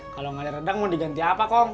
kalau gak ada rendang mau di ganti apa kong